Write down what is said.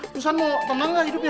susan mau teman gak hidupnya